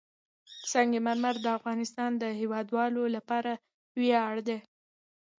سنگ مرمر د افغانستان د هیوادوالو لپاره ویاړ دی.